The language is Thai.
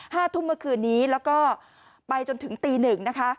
ห้าทุ่มเมื่อคืนนี้แล้วก็ไปจนถึงตีหนึ่งนะคะ